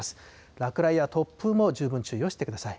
落雷や突風も十分注意をしてください。